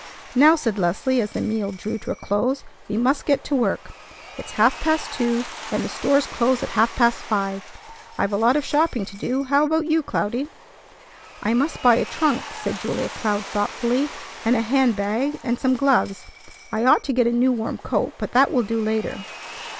"Now," said Leslie as the meal drew to a close, "we must get to work. It's half past two, and the stores close at half past five. I've a lot of shopping to do. How about you, Cloudy?" "I must buy a trunk," said Julia Cloud thoughtfully, "and a hand bag and some gloves. I ought to get a new warm coat, but that will do later."